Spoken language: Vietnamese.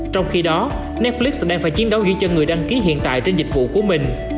trong khi đó netflix đang phải chiến đấu ghi cho người đăng ký hiện tại trên dịch vụ của mình